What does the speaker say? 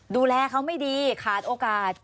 ดูแลเขาไม่ดีขาดโอกาส